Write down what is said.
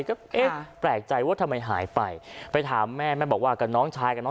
ก็เอ๊ะแปลกใจว่าทำไมหายไปไปถามแม่แม่บอกว่ากับน้องชายกับน้อง